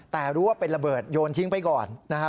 แต่รู้ว่าเป็นระเบิดโยนทิ้งไปก่อนนะฮะ